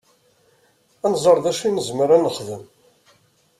Ad nẓer d acu i nezmer ad nexdem.